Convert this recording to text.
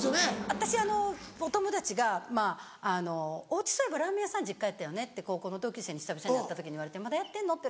私お友達が「お家そういえばラーメン屋さん実家やったよね」って高校の同級生に久々に会った時に言われて「まだやってんの？」。